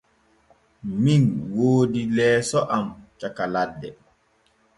Min woodi leeso am caka ladde.